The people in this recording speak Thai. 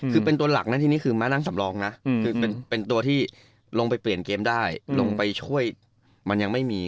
คือเป็นตัวหลักนะทีนี้คือมานั่งสำรองนะคือเป็นตัวที่ลงไปเปลี่ยนเกมได้ลงไปช่วยมันยังไม่มี